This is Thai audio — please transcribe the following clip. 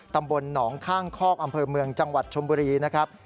ตำบลหนองข้างคอกอำเภอเมืองจังหวัดชมบุรีนะครับ